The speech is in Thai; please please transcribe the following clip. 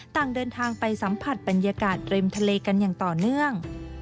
ต่างเดินทางไปสัมผัสบรรยากาศริมทะเลกันอย่างต่อเนื่อง